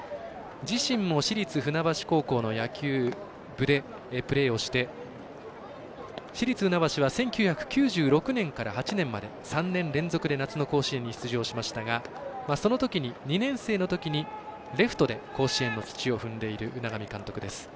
自身も市立船橋高校の野球部でプレーをして市立船橋は１９９６年から８年まで３年連続で夏の甲子園に出場しましたが２年生のときにレフトで甲子園の土を踏んでいる海上監督です。